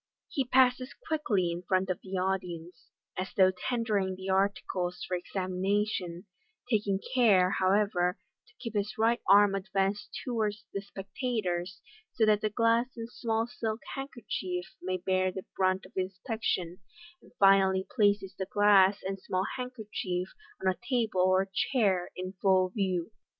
He passes quickly in front of the audi ence, as though tendering the articles for examination (taking care, however, to keep his right arm advanced towards the spectators, so that the glass and small silk handkerchief may bear the brunt of in spection), and finally places the glass and small handkerchief on a table or chair in full view.